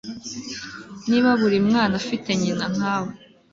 niba buri mwana afite nyina nkawe